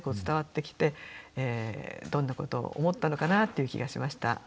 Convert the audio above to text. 伝わってきてどんなことを思ったのかなっていう気がしました。